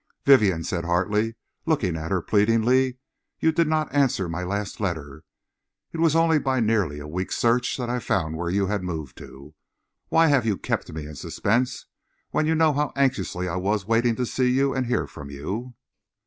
"Vivienne," said Hartley, looking at her pleadingly, "you did not answer my last letter. It was only by nearly a week's search that I found where you had moved to. Why have you kept me in suspense when you knew how anxiously I was waiting to see you and hear from you?"